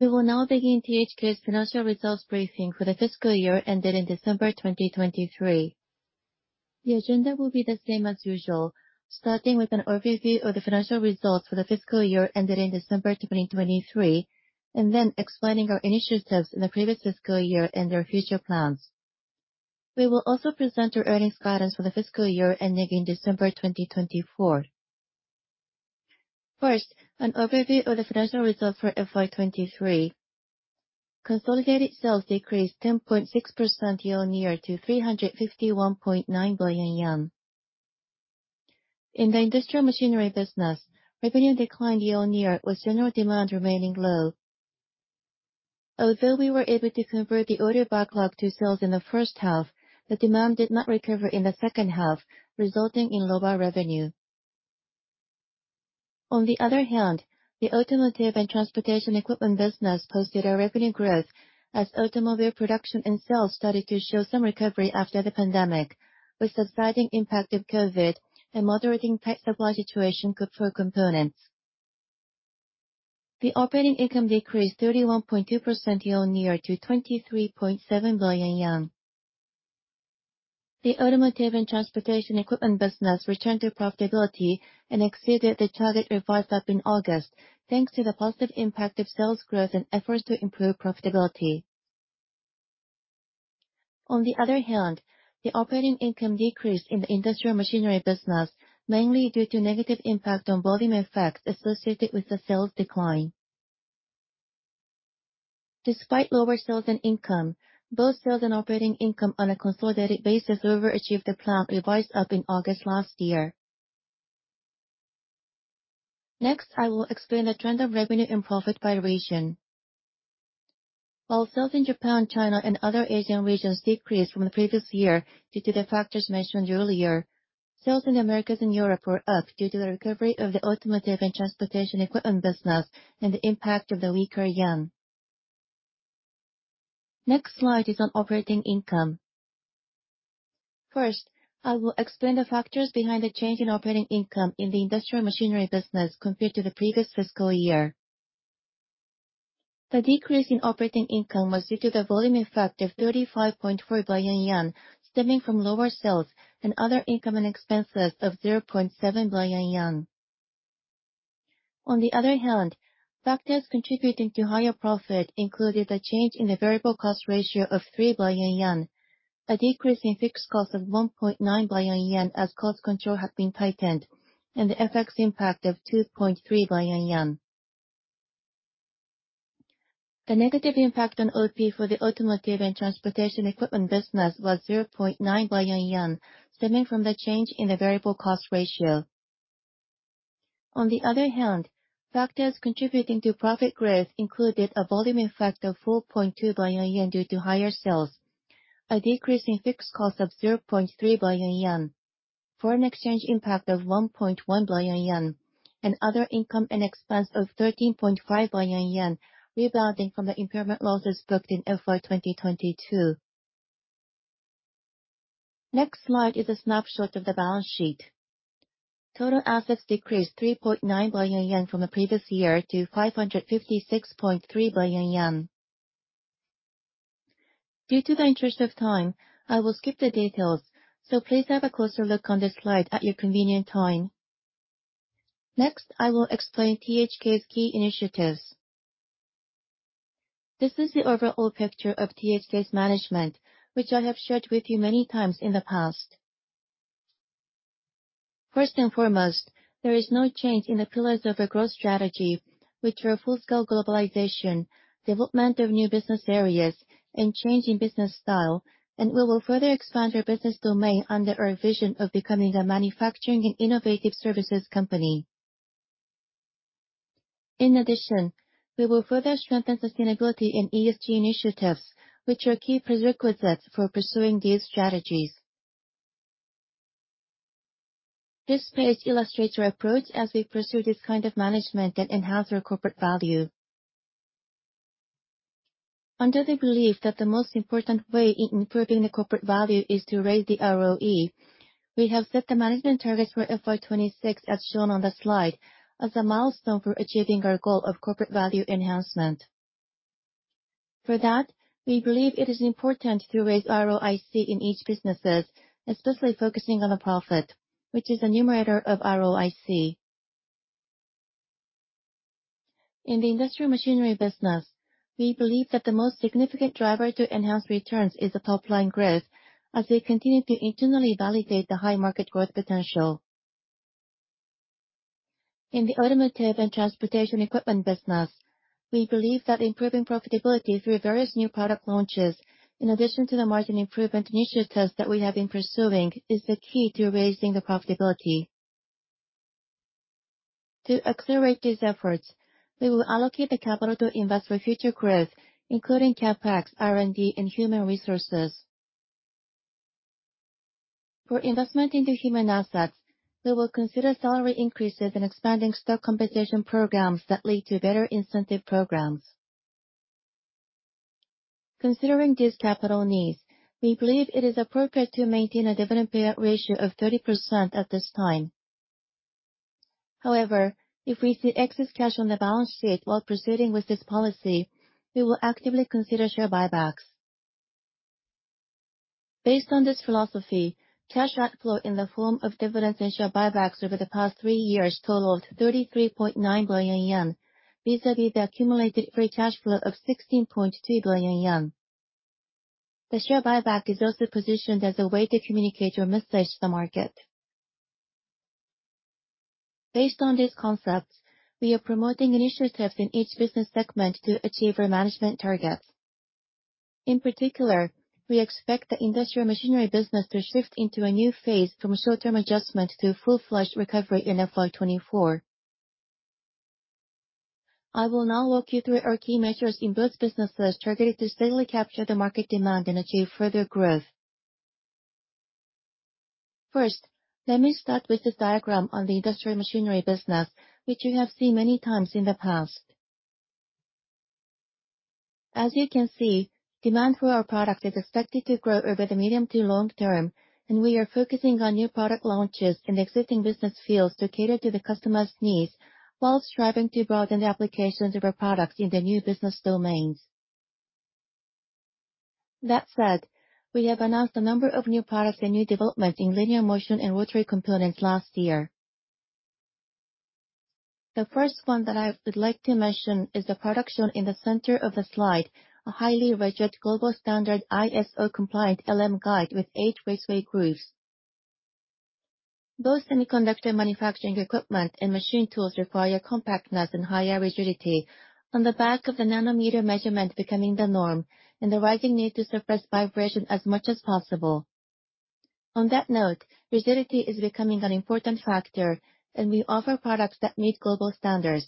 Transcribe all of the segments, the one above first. We will now begin THK's financial results briefing for the fiscal year ending December 2023. The agenda will be the same as usual, starting with an overview of the financial results for the fiscal year ending December 2023, and then explaining our initiatives in the previous fiscal year and our future plans. We will also present our earnings guidance for the fiscal year ending in December 2024. First, an overview of the financial results for FY 2023. Consolidated sales decreased 10.6% year-on-year to 351.9 billion yen. In the industrial machinery business, revenue declined year-on-year with general demand remaining low. Although we were able to convert the order backlog to sales in the first half, the demand did not recover in the second half, resulting in lower revenue. On the other hand, the automotive and transportation equipment business posted a revenue growth as automobile production and sales started to show some recovery after the pandemic, with the lingering impact of COVID and moderating supply situation for components. The operating income decreased 31.2% year-on-year to 23.7 billion yen. The automotive and transportation equipment business returned to profitability and exceeded the target revised up in August, thanks to the positive impact of sales growth and efforts to improve profitability. On the other hand, the operating income decreased in the industrial machinery business, mainly due to negative impact on volume effects associated with the sales decline. Despite lower sales and income, both sales and operating income on a consolidated basis overachieved the plan revised up in August last year. Next, I will explain the trend of revenue and profit by region. While sales in Japan, China, and other Asian regions decreased from the previous year due to the factors mentioned earlier, sales in Americas and Europe were up due to the recovery of the automotive and transportation equipment business and the impact of the weaker yen. Next slide is on operating income. First, I will explain the factors behind the change in operating income in the industrial machinery business compared to the previous fiscal year. The decrease in operating income was due to the volume effect of 35.4 billion yen stemming from lower sales and other income and expenses of 0.7 billion yen. On the other hand, factors contributing to higher profit included a change in the variable cost ratio of 3 billion yen, a decrease in fixed cost of 1.9 billion yen as cost control had been tightened, and the FX impact of 2.3 billion yen. The negative impact on OP for the automotive and transportation equipment business was 0.9 billion yen, stemming from the change in the variable cost ratio. On the other hand, factors contributing to profit growth included a volume effect of 4.2 billion yen due to higher sales, a decrease in fixed cost of 0.3 billion yen, foreign exchange impact of 1.1 billion yen, and other income and expense of 13.5 billion yen rebounding from the impairment losses booked in FY 2022. Next slide is a snapshot of the balance sheet. Total assets decreased 3.9 billion yen from the previous year to 556.3 billion yen. Due to the interest of time, I will skip the details, so please have a closer look on this slide at your convenient time. Next, I will explain THK's key initiatives. This is the overall picture of THK's management, which I have shared with you many times in the past. First and foremost, there is no change in the pillars of a growth strategy, which are full-scale globalization, development of new business areas, and change in business style. We will further expand our business domain under our vision of becoming a manufacturing and innovative services company. In addition, we will further strengthen sustainability in ESG initiatives, which are key prerequisites for pursuing these strategies. This page illustrates our approach as we pursue this kind of management that enhance our corporate value. Under the belief that the most important way in improving the corporate value is to raise the ROE, we have set the management target for FY 2026 as shown on the slide as a milestone for achieving our goal of corporate value enhancement. For that, we believe it is important to raise ROIC in each businesses, especially focusing on the profit, which is the numerator of ROIC. In the industrial machinery business, we believe that the most significant driver to enhance returns is the top line growth, as we continue to internally validate the high market growth potential. In the automotive and transportation equipment business, we believe that improving profitability through various new product launches, in addition to the margin improvement initiatives that we have been pursuing, is the key to raising the profitability. To accelerate these efforts, we will allocate the capital to invest for future growth, including CapEx, R&D, and human resources. For investment into human assets, we will consider salary increases and expanding stock compensation programs that lead to better incentive programs. Considering these capital needs, we believe it is appropriate to maintain a dividend payout ratio of 30% at this time. However, if we see excess cash on the balance sheet while proceeding with this policy, we will actively consider share buybacks. Based on this philosophy, cash outflow in the form of dividends and share buybacks over the past three years totaled 33.9 billion yen. Vis-à-vis the accumulated free cash flow of 16.2 billion yen. The share buyback is also positioned as a way to communicate your message to the market. Based on these concepts, we are promoting initiatives in each business segment to achieve our management targets. In particular, we expect the industrial machinery business to shift into a new phase from short-term adjustment to full-fledged recovery in FY 2024. I will now walk you through our key measures in both businesses targeted to steadily capture the market demand and achieve further growth. First, let me start with this diagram on the industrial machinery business, which you have seen many times in the past. As you can see, demand for our products is expected to grow over the medium to long term, and we are focusing on new product launches in existing business fields to cater to the customer's needs, while striving to broaden the applications of our products in the new business domains. That said, we have announced a number of new products and new developments in linear motion and rotary components last year. The first one that I would like to mention is the product shown in the center of the slide, a highly rigid global standard ISO compliant LM Guide with H raceway grooves. Both semiconductor manufacturing equipment and machine tools require compactness and higher rigidity on the back of the nanometer measurement becoming the norm, and the rising need to suppress vibration as much as possible. On that note, rigidity is becoming an important factor, and we offer products that meet global standards.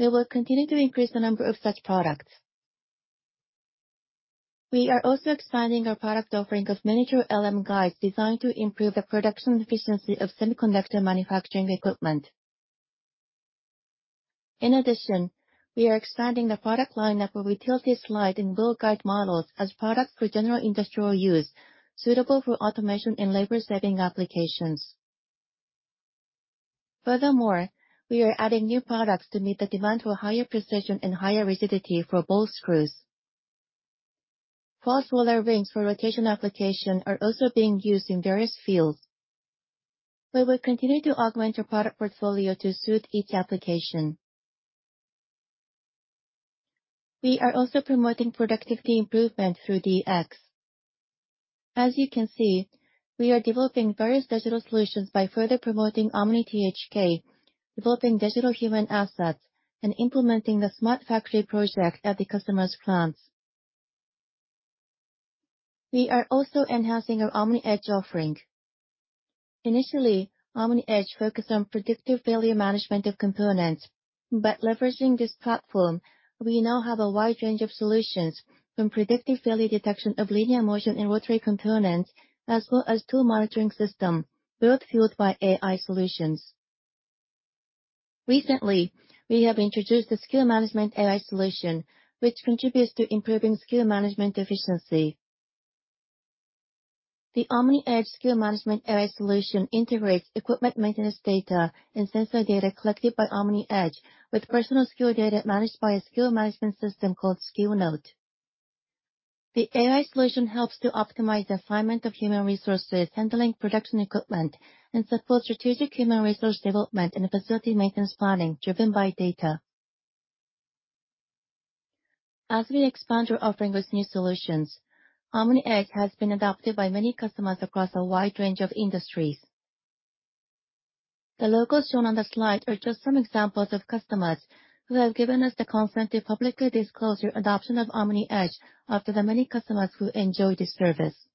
We will continue to increase the number of such products. We are also expanding our product offering of Miniature LM Guides designed to improve the production efficiency of semiconductor manufacturing equipment. In addition, we are expanding the product lineup of retail C slide and wheel guide models as products for general industrial use, suitable for automation and labor-saving applications. Furthermore, we are adding new products to meet the demand for higher precision and higher rigidity for Ball Screws. Cross-Roller Rings for rotation application are also being used in various fields. We will continue to augment our product portfolio to suit each application. We are also promoting productivity improvement through DX. As you can see, we are developing various digital solutions by further promoting Omni THK, developing digital human assets, and implementing the smart factory project at the customer's plants. We are also enhancing our OMNIedge offering. Initially, OMNIedge focused on predictive failure management of components. By leveraging this platform, we now have a wide range of solutions from predictive failure detection of linear motion and rotary components, as well as tool monitoring system, both fueled by AI solutions. Recently, we have introduced the skill management AI solution, which contributes to improving skill management efficiency. The OMNIedge skill management AI solution integrates equipment maintenance data and sensor data collected by OMNIedge with personal skill data managed by a skill management system called Skillnote. The AI solution helps to optimize the assignment of human resources handling production equipment, and support strategic human resource development and facility maintenance planning driven by data. As we expand our offering with new solutions, OMNIedge has been adopted by many customers across a wide range of industries. The logos shown on the slide are just some examples of customers who have given us the consent to publicly disclose their adoption of OMNIedge after the many customers who enjoy this service.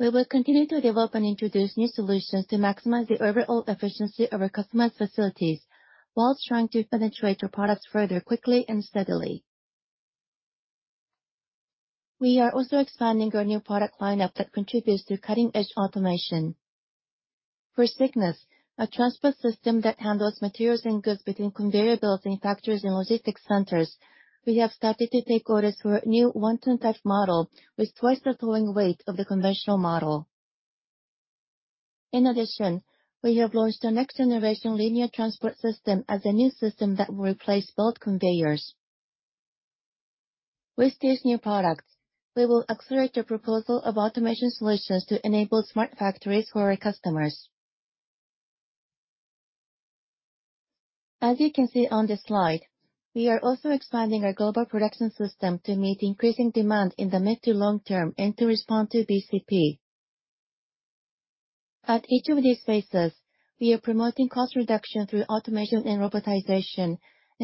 We will continue to develop and introduce new solutions to maximize the overall efficiency of our customers' facilities, while trying to penetrate our products further, quickly, and steadily. We are also expanding our new product lineup that contributes to cutting-edge automation. For SIGNAS, a transport system that handles materials and goods between conveyor belts in factories and logistics centers, we have started to take orders for a new one-ton type model with twice the towing weight of the conventional model. In addition, we have launched a next-generation linear transport system as a new system that will replace both conveyors. With these new products, we will accelerate the proposal of automation solutions to enable smart factories for our customers. As you can see on this slide, we are also expanding our global production system to meet increasing demand in the mid- to long-term and to respond to BCP. At each of these phases, we are promoting cost reduction through automation and robotization.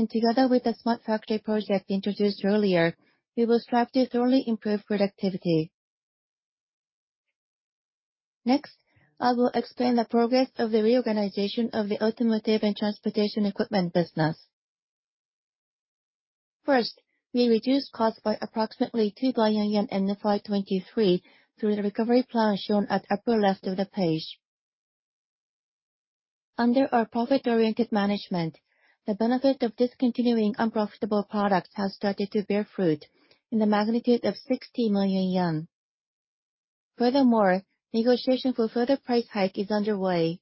Together with the smart factory project introduced earlier, we will strive to thoroughly improve productivity. Next, I will explain the progress of the reorganization of the automotive and transportation equipment business. First, we reduced costs by approximately 2 billion yen in FY 2023 through the recovery plan shown at upper left of the page. Under our profit-oriented management, the benefit of discontinuing unprofitable products has started to bear fruit in the magnitude of 60 million yen. Furthermore, negotiation for further price hike is underway.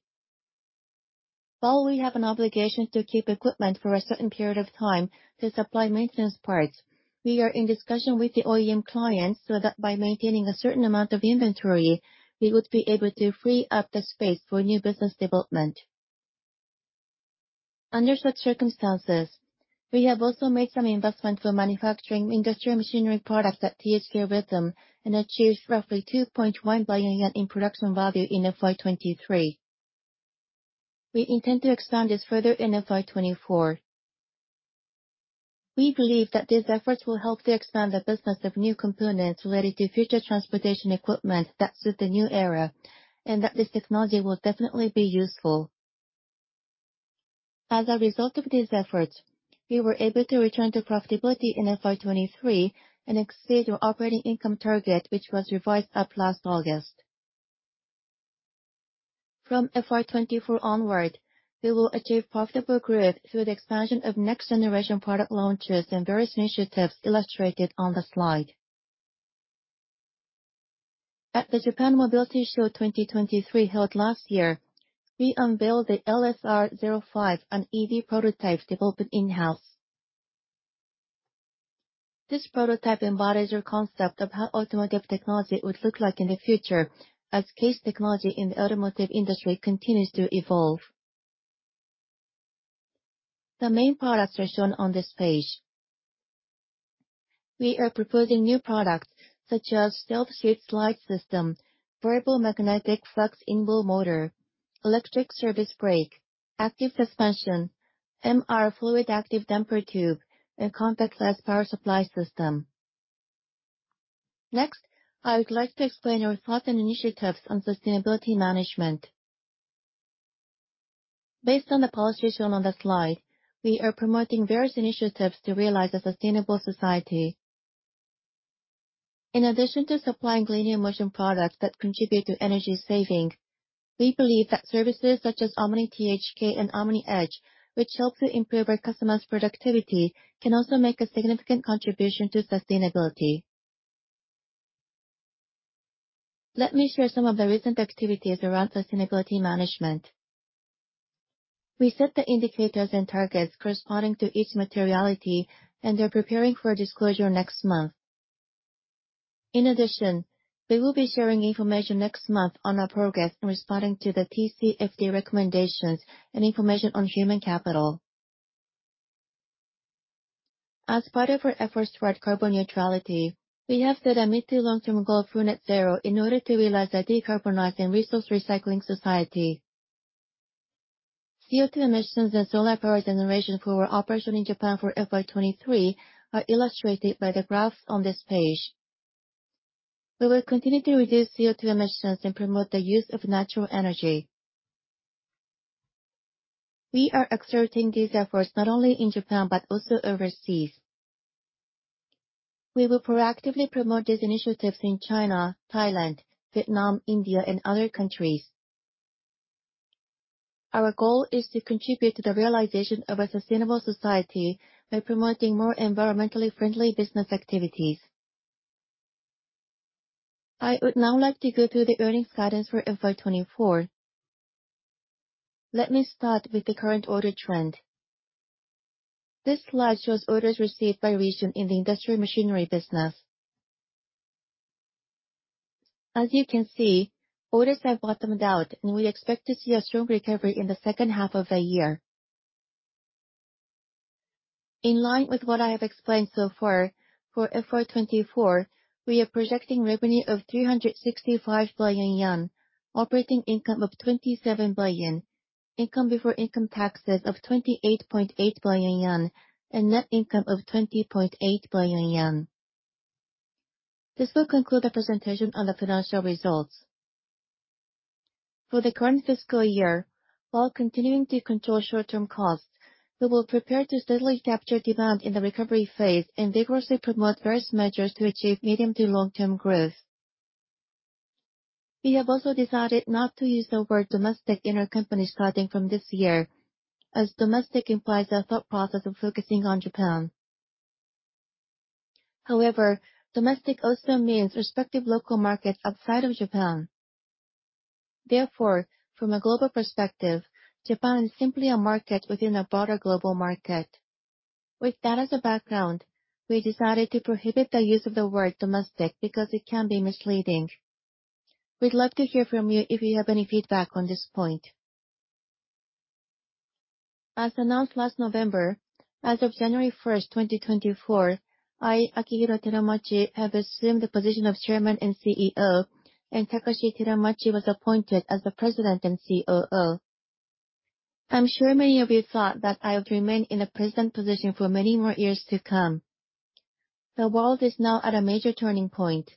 While we have an obligation to keep equipment for a certain period of time to supply maintenance parts, we are in discussion with the OEM clients so that by maintaining a certain amount of inventory, we would be able to free up the space for new business development. Under such circumstances, we have also made some investment for manufacturing industrial machinery products at THK RHYTHM, and achieved roughly 2.1 billion yen in production value in FY 2023. We intend to expand this further in FY 2024. We believe that these efforts will help to expand the business of new components related to future transportation equipment that suit the new era, and that this technology will definitely be useful. As a result of these efforts, we were able to return to profitability in FY 2023 and exceed our operating income target, which was revised up last August. From FY 2024 onward, we will achieve profitable growth through the expansion of next generation product launches and various initiatives illustrated on the slide. At the Japan Mobility Show 2023 held last year, we unveiled the LSR05, an EV prototype developed in-house. This prototype embodies our concept of how automotive technology would look like in the future, as CASE technology in the automotive industry continues to evolve. The main products are shown on this page. We are proposing new products such as Stealth Seat-Slide System, Variable Magnetic Flux In-Wheel Motor, Electric Service Brake, Active Level Control Suspension, MR Fluid Active Damper Tube, and Contactless Power Supply. Next, I would like to explain our thoughts and initiatives on sustainability management. Based on the policies shown on the slide, we are promoting various initiatives to realize a sustainable society. In addition to supplying linear motion products that contribute to energy saving, we believe that services such as Omni THK and OMNIedge, which help to improve our customers' productivity, can also make a significant contribution to sustainability. Let me share some of the recent activities around sustainability management. We set the indicators and targets corresponding to each materiality, and they're preparing for disclosure next month. In addition, we will be sharing information next month on our progress in responding to the TCFD recommendations and information on human capital. As part of our efforts toward carbon neutrality, we have set a mid to long-term goal of true net zero in order to realize a decarbonized and resource recycling society. CO2 emissions and solar power generation for our operation in Japan for FY 2023 are illustrated by the graphs on this page. We will continue to reduce CO2 emissions and promote the use of natural energy. We are exerting these efforts not only in Japan, but also overseas. We will proactively promote these initiatives in China, Thailand, Vietnam, India, and other countries. Our goal is to contribute to the realization of a sustainable society by promoting more environmentally friendly business activities. I would now like to go through the earnings guidance for FY 2024. Let me start with the current order trend. This slide shows orders received by region in the industrial machinery business. As you can see, orders have bottomed out, and we expect to see a strong recovery in the second half of the year. In line with what I have explained so far, for FY 2024, we are projecting revenue of 365 billion yen, operating income of 27 billion, income before income taxes of 28.8 billion yen, and net income of 20.8 billion yen. This will conclude the presentation on the financial results. For the current fiscal year, while continuing to control short-term costs, we will prepare to steadily capture demand in the recovery phase and vigorously promote various measures to achieve medium to long-term growth. We have also decided not to use the word domestic in our company starting from this year, as domestic implies our thought process of focusing on Japan. However, domestic also means respective local market outside of Japan. Therefore, from a global perspective, Japan is simply a market within a broader global market. With that as a background, we decided to prohibit the use of the word domestic because it can be misleading. We'd love to hear from you if you have any feedback on this point. As announced last November, as of January 1st, 2024, I, Akihiro Teramachi, have assumed the position of Chairman and CEO, and Takashi Teramachi was appointed as the President and COO. I'm sure many of you thought that I would remain in a present position for many more years to come. The world is now at a major turning point.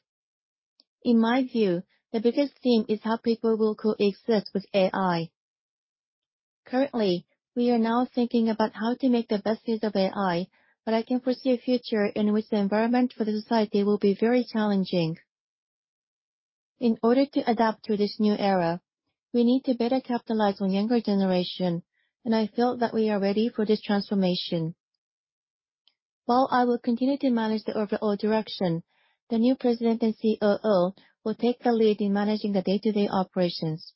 In my view, the biggest theme is how people will coexist with AI. Currently, we are now thinking about how to make the best use of AI, but I can foresee a future in which the environment for the society will be very challenging. In order to adapt to this new era, we need to better capitalize on younger generation, and I feel that we are ready for this transformation. While I will continue to manage the overall direction, the new President and COO will take the lead in managing the day-to-day operations.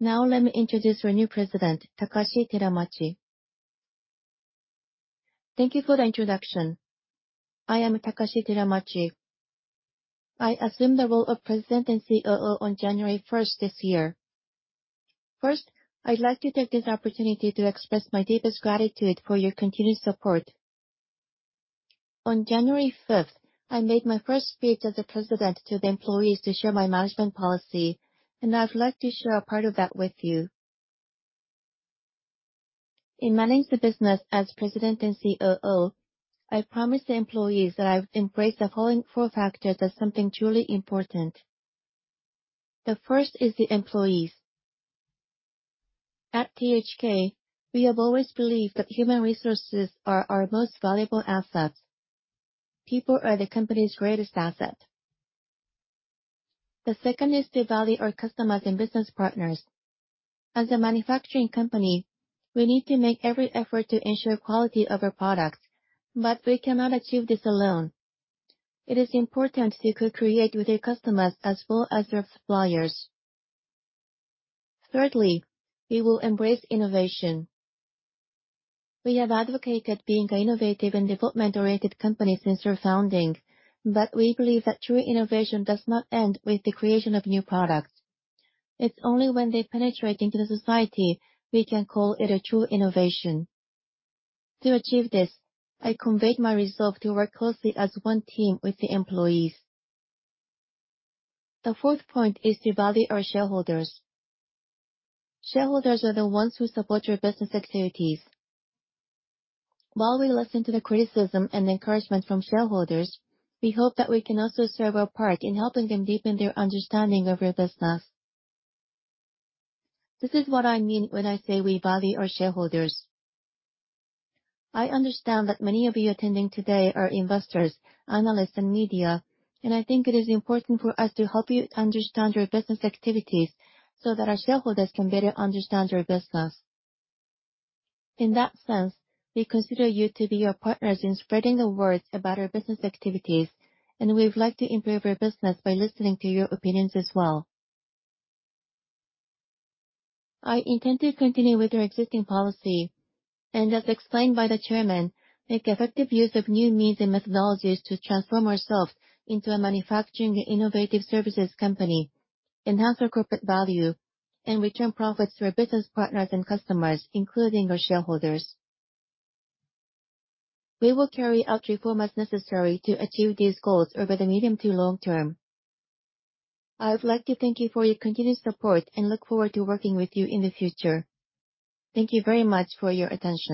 Now let me introduce our new President, Takashi Teramachi. Thank you for the introduction. I am Takashi Teramachi. I assumed the role of President and COO on January 1st this year. First, I'd like to take this opportunity to express my deepest gratitude for your continued support. On January 5th, I made my first speech as the president to the employees to share my management policy, and now I'd like to share a part of that with you. In managing the business as president and COO, I promised the employees that I would embrace the following four factors as something truly important. The first is the employees. At THK, we have always believed that human resources are our most valuable assets. People are the company's greatest asset. The second is to value our customers and business partners. As a manufacturing company, we need to make every effort to ensure quality of our products, but we cannot achieve this alone. It is important to co-create with your customers as well as your suppliers. Thirdly, we will embrace innovation. We have advocated being an innovative and development-oriented company since our founding, but we believe that true innovation does not end with the creation of new products. It's only when they penetrate into the society. We can call it a true innovation. To achieve this, I conveyed my resolve to work closely as one team with the employees. The fourth point is to value our shareholders. Shareholders are the ones who support your business activities. While we listen to the criticism and encouragement from shareholders, we hope that we can also serve our part in helping them deepen their understanding of your business. This is what I mean when I say we value our shareholders. I understand that many of you attending today are investors, analysts, and media, and I think it is important for us to help you understand our business activities so that our shareholders can better understand our business. In that sense, we consider you to be our partners in spreading the word about our business activities, and we would like to improve our business by listening to your opinions as well. I intend to continue with our existing policy, and as explained by the chairman, make effective use of new means and methodologies to transform ourselves into a manufacturing and innovative services company, enhance our corporate value, and return profits to our business partners and customers, including our shareholders. We will carry out reforms as necessary to achieve these goals over the medium to long term. I would like to thank you for your continued support and look forward to working with you in the future. Thank you very much for your attention.